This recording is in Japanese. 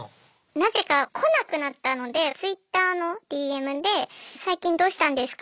なぜか来なくなったのでツイッターのＤＭで「最近どうしたんですか？」